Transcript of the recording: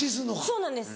そうなんです。